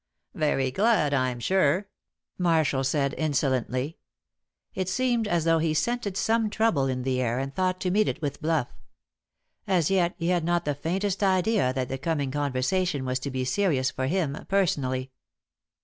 "Very glad, I'm sure," Marshall said insolently; it seemed as though he scented some trouble in the air and thought to meet it with bluff. As yet he had not the faintest idea that the coming conversation was to be serious for him personally.